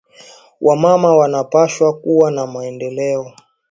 Wa mama wana pashwa kuwa na maendeleo